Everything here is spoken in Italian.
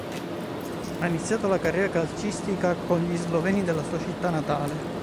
Ha iniziato la carriera calcistica con gli sloveni del sua città natale.